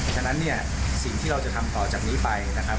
ดังนั้นสิ่งที่เราจะทำต่อจากนี้ไปนะครับ